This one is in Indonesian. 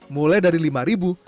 mulai dari lima ribu